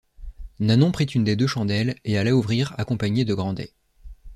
Nanon prit une des deux chandelles, et alla ouvrir accompagnée de Grandet.